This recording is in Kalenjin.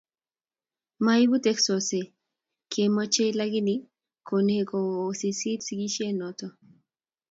Maibu teksosiek kiekimoche lakini konye kowisisit sikishet noto